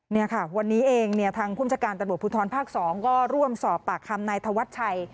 นี่ค่ะวันนี้เองทางพุทธการประบวนภูทธรรมภาค๒ก็ร่วมสอบปากคำนายธวัดชัย